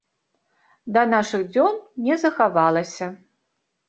Да нашых дзён не захавалася.